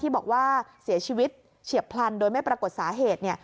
บอกว่าเสียชีวิตเฉียบพลันโดยไม่ปรากฏสาเหตุ